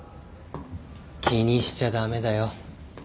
気にしちゃ駄目だよ。